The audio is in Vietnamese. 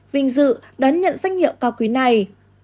vinh dự đón nhận doanh nghiệp cao quý này